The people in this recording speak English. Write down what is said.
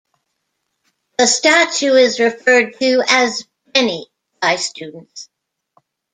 The statue is referred to as "Benny" by students.